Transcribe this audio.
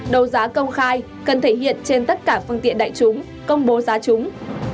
đấu giá công khai cần thể hiện trên tất cả phương tiện đại chúng công bố giá chúng